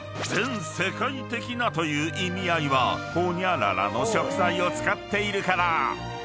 ［全世界的なという意味合いはホニャララの食材を使っているから］